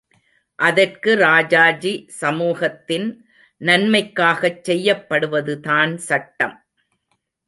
அதற்கு ராஜாஜி சமூகத்தின் நன்மைக்காகச் செய்யப்படுவதுதான் சட்டம்.